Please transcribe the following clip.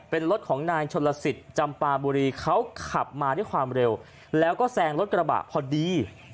เป็นรถของนายชนลสิทธิ์จำปาบุรีเขาขับมาด้วยความเร็วแล้วก็แซงรถกระบะพอดี